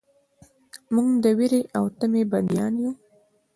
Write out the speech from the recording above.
موږ د ویرې او طمعې بندیان یو.